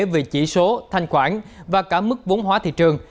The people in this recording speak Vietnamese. về chỉ số thanh khoản và cả mức vốn hóa thị trường